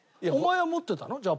お前は持ってたの？